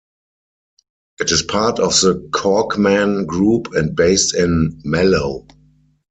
It is part of the Corkman Group and based in Mallow.